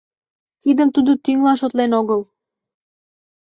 Тидым тудо тӱҥлан шотлен огыл.